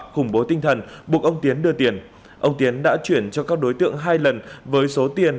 khủng bố tinh thần buộc ông tiến đưa tiền ông tiến đã chuyển cho các đối tượng hai lần với số tiền